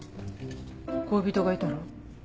恋人がいたら？